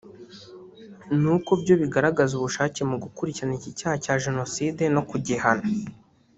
ni uko byo bigaragaza ubushake mu gukurikirana iki cyaha cya jenoside no kugihana